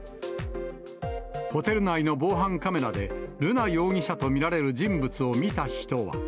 ホテル内の防犯カメラで、瑠奈容疑者と見られる人物を見た人は。